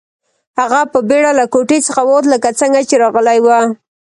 هغه په بیړه له کوټې څخه ووت لکه څنګه چې راغلی و